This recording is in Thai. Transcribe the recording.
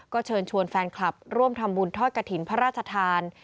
ก็เชิญชวนแฟนคลับร่วมทำบุญทอดกระถิ่นพระราชทาน